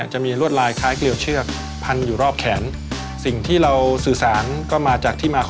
ชื่อปราปไตจักรเนี่ยเป็นชื่อของช้างศึกของพระเอกาทศรษฐ์ชื่อว่าเจ้าพระยาปราปไตจักร